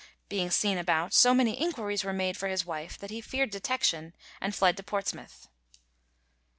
Being seen about, so many inquiries were made for his wife that he feared detection, and fled to Portsmouth.